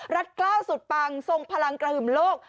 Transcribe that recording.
กล้าวสุดปังทรงพลังกระหึ่มโลก